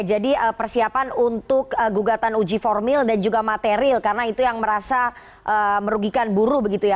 jadi persiapan untuk gugatan uji formil dan juga material karena itu yang merasa merugikan buru begitu ya